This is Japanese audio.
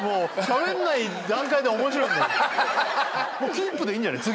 キープでいいんじゃない？